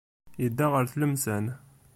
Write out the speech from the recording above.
Yedda ɣer Tlemsan.